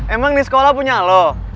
emang di sekolah punya loh